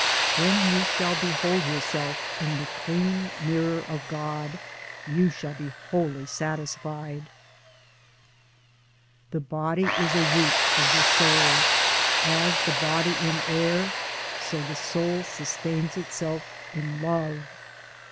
When you shall behold yourself in the clean mirror of God you shall be wholly satisfied. The body is a root of the soul. As the body in air, so the soul sustains itself in love.